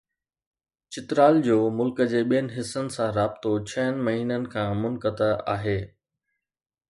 چترال جو ملڪ جي ٻين حصن سان رابطو ڇهن مهينن کان منقطع آهي.